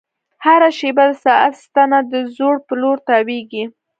هره شېبه د ساعت ستنه د ځوړ په لور تاوېږي.